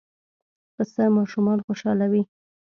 پسه ماشومان خوشحالوي.